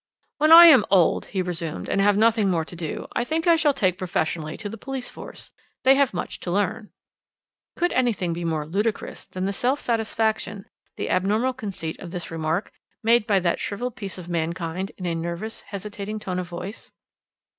"When I am old," he resumed, "and have nothing more to do, I think I shall take professionally to the police force; they have much to learn." Could anything be more ludicrous than the self satisfaction, the abnormal conceit of this remark, made by that shrivelled piece of mankind, in a nervous, hesitating tone of voice?